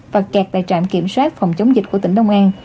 và kẹt tại trạm kiểm soát phòng chống dịch của tỉnh đông an